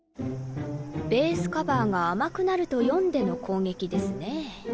ベースカバーが甘くなると読んでの攻撃ですね。